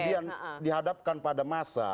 yang dihadapkan pada masa